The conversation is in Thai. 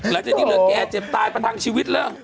ละสังหรณะหรือแกเจ็บตายไปทางชีวิตแล้ว